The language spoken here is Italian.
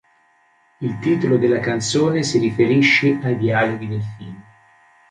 Il titolo della canzone si riferisce ai dialoghi del film.